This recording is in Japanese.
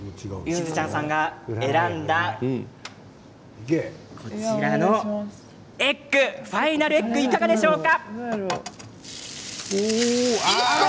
しずちゃんさんが選んだこちらのエッグファイナルエッグいかがでしょうか。